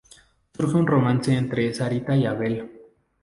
Surge un romance entre Sarita y Abel.